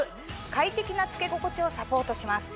快適な着け心地をサポートします。